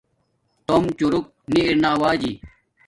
توم چورک نی ارنا ارآوجی